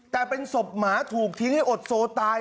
แต่เป็นศพหมาถูกทิ้งให้อดโซตาย